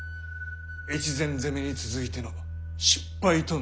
越前攻めに続いての失敗と見るべきかと。